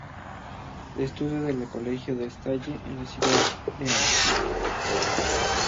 Estudio en el colegio La Salle de la ciudad de Arequipa.